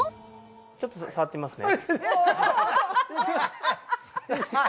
ちょっと触ってみますね。